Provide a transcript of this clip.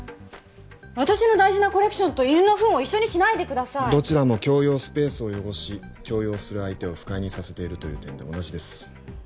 私の大事なコレクションと犬のフンを一緒にしないでくださいどちらも共用スペースを汚し共用する相手を不快にさせているという点で同じです